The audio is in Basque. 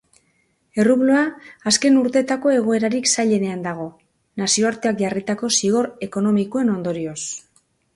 Errubloa azken urteetako egoerarik zailenean dago, nazioarteak jarritako zigor ekonomikoen ondorioz.